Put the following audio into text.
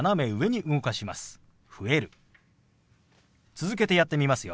続けてやってみますよ。